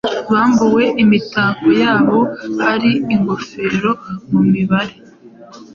Bambuwe imitako yabo hari ingofero mu mibare